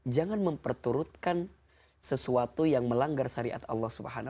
jangan memperturutkan sesuatu yang melanggar syariat allah swt